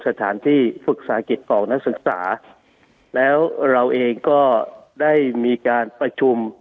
สถานที่ฝึกษาหกิจของนักศึกษาแล้วเราเองก็ได้มีการประชุม